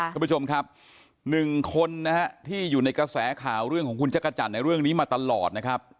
คุณผู้ชมครับหนึ่งคนนะฮะที่อยู่ในกระแสข่าวเรื่องของคุณจักรจันทร์ในเรื่องนี้มาตลอดนะครับ